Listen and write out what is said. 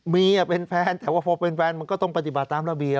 มีเป็นแฟนแต่ว่าพอเป็นแฟนมันก็ต้องปฏิบัติตามระเบียบ